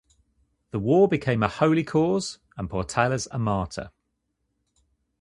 The war became a holy cause, and Portales a martyr.